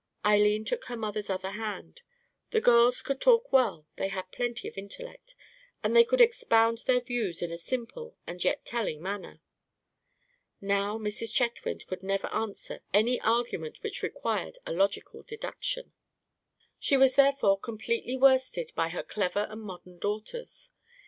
Eileen took her mother's other hand. The girls could talk well; they had plenty of intellect, and they could expound their views in a simple and yet telling manner. Now, Mrs. Chetwynd could never answer any argument which required a logical deduction. She was therefore completely worsted by her clever and modern daughters.